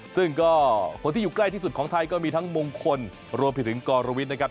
ซึ่งก็คนที่อยู่ใกล้ที่สุดของไทยก็มีทั้งมงคลรวมไปถึงกรวิทย์นะครับ